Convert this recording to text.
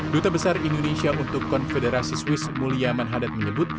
duta besar indonesia untuk konfederasi swiss mulia manhadat menyebut